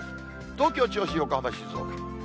東京、銚子、横浜、静岡。